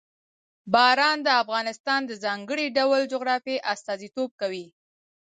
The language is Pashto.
باران د افغانستان د ځانګړي ډول جغرافیه استازیتوب کوي.